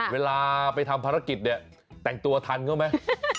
เวลาไปทำภารกิจเนี่ยแต่งตัวทันเขาไหม